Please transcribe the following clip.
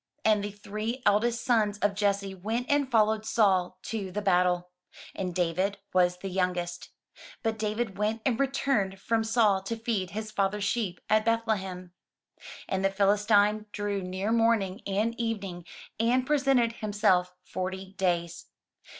And the three eldest sons of Jesse went and followed Saul to the battle. And David was the youngest. But David went and returned from Saul to feed his father's sheep at Bethlehem. And the Philistine drew near morning and evening, and pre sented himself forty days.